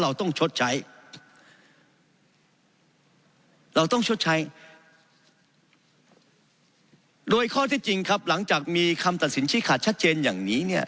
เราต้องชดใช้เราย์ข้อเท้จริงครับหลังจากมีคำตัดสินขาดชัดเจนอย่างนี้เนี้ย